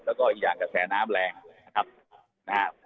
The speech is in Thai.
แล้วก็อีกอย่างกระแสน้ำแรงนะครับนะฮะ